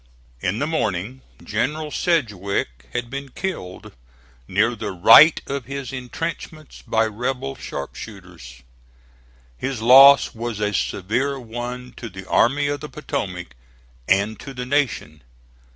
In the morning General Sedgwick had been killed near the right of his intrenchments by rebel sharpshooters. His loss was a severe one to the Army of the Potomac and to the Nation.